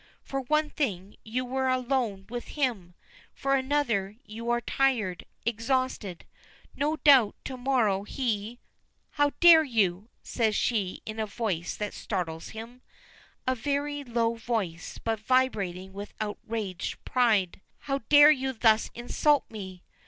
For one thing, you were alone with him; for another, you are tired, exhausted. No doubt to morrow he " "How dare you?" says she in a voice that startles him, a very low voice, but vibrating with outraged pride. "How dare you thus insult me?